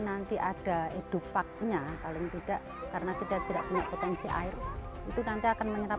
nanti ada edopaknya paling tidak karena kita tidak punya potensi air itu nanti akan menyerap